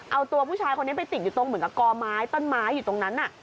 เอาตัวผู้ชายคนนี้ไปติดอยู่ตรงเหมือนกับกอไม้ต้นไม้อยู่ตรงนั้น